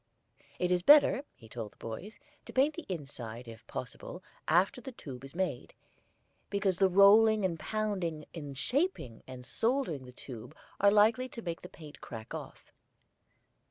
It is better he told the boys to paint the inside, if possible, after the tube is made, because the rolling and pounding in shaping and soldering the tube are likely to make the paint crack off.